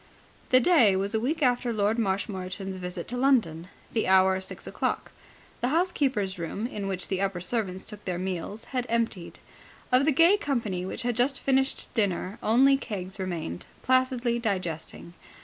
The day was a week after Lord Marshmoreton's visit to London, the hour six o'clock. The housekeeper's room, in which the upper servants took their meals, had emptied. Of the gay company which had just finished dinner only Keggs remained, placidly digesting.